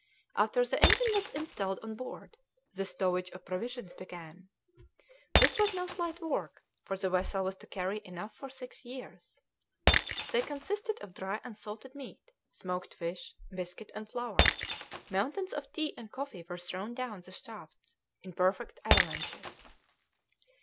After the engine was installed on board, the stowage of provisions began. This was no slight work, for the vessel was to carry enough for six years. They consisted of dry and salted meat, smoked fish, biscuit, and flour; mountains of tea and coffee were thrown down the shafts in perfect avalanches.